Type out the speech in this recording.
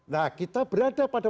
nah kita berada pada